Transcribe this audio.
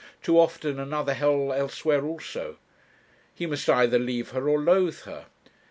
too often another hell elsewhere also. He must either leave her or loathe her.